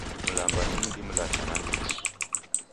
Mlamba ni mdi mlacha nandighi